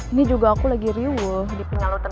ini juga aku lagi riwuh di pinjal luton